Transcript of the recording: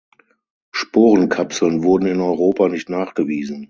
Sporenkapseln wurden in Europa nicht nachgewiesen.